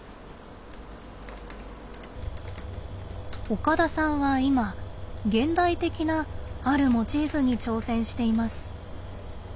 岡田さんは今現代的なあるモチーフに挑戦しています。